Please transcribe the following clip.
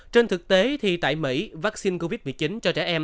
trên thực tế thì tại mỹ vaccine covid một mươi chín cho trẻ em